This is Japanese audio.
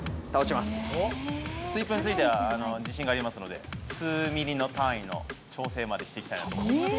スイープについては自信がありますので、数ミリの単位の調整までしていきたいなと思います。